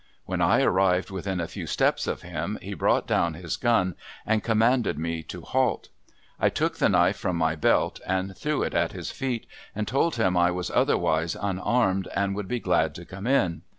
When I arrived within a few steps of him he brought down his gun and commanded me to halt. I took the knife from my belt and threw it at his feet and told him I was otherwise unarmed and would be glad to come in.